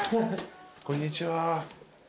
こんにちは。